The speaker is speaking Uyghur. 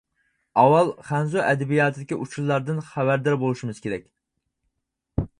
ئاۋۋال خەنزۇ ئەدەبىياتىدىكى ئۇچۇرلاردىن خەۋەردار بولۇشىمىز كېرەك.